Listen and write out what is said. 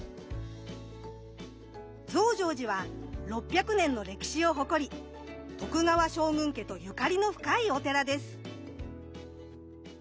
増上寺は６００年の歴史を誇り徳川将軍家とゆかりの深いお寺です。